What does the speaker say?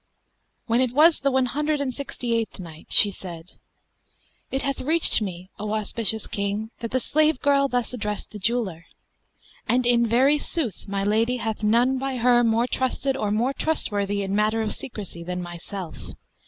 When it was the One Hundred and Sixty eighth Night, She said, It hath reached me, O auspicious King, that the slave girl thus addressed the jeweller, "'And in very sooth my lady hath none by her more trusted or more trustworthy in matter of secrecy than myself.